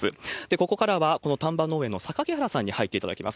ここからはこの丹波農園の榊原さんに入っていただきます。